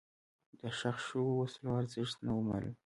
د ښخ شوو وسلو ارزښت نه و معلوم.